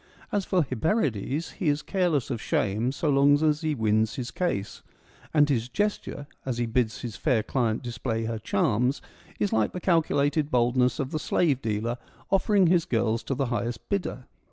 As for Hyperides, he is careless of shame so long as he wins his case ; and his gesture, as he bids his fair client display her charms, is like the calculated boldness of the slave dealer offering his girls to the highest bidder.